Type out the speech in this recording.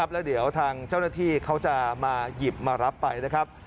แล้วเดี๋ยวทางเจ้าหน้าที่เขาจะมาหยิบมารับไปนะครับ